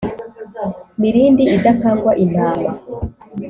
Mirindi idakangwa intama